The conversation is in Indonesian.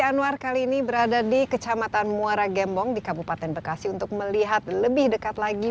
anwar kali ini berada di kecamatan muara gembong di kabupaten bekasi untuk melihat lebih dekat lagi